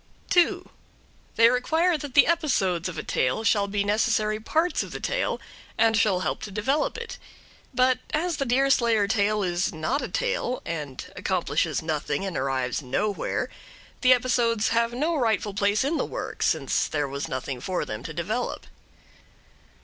2. They require that the episodes of a tale shall be necessary parts of the tale, and shall help to develop it. But as the Deerslayer tale is not a tale, and accomplishes nothing and arrives nowhere, the episodes have no rightful place in the work, since there was nothing for them to develop.